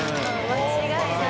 間違いない。